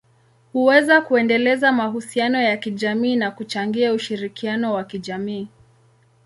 huweza kuendeleza mahusiano ya kijamii na kuchangia ushirikiano wa kijamii.